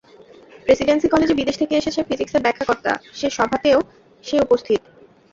Presidency কলেজে বিদেশ থেকে এসেছে ফিজিক্সের ব্যাখ্যাকর্তা, সে সভাতেও সে উপস্থিত।